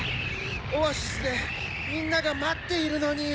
オアシスでみんながまっているのに。